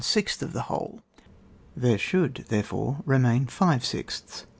one sixth of the whole ; there should, therefore, remain fiye sixths.